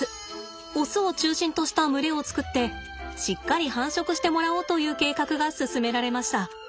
オスを中心とした群れを作ってしっかり繁殖してもらおうという計画が進められました。